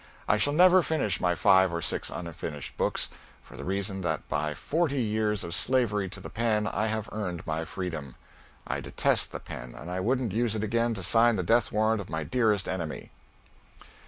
I shall never finish my five or six unfinished books, for the reason that by forty years of slavery to the pen I have earned my freedom. I detest the pen and I wouldn't use it again to sign the death warrant of my dearest enemy.